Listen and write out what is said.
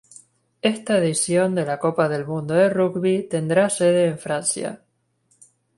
Esta edición de la Copa del Mundo de Rugby tendrá sede en Francia.